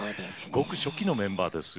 ごく初期のメンバーですよ。